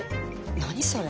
何それ。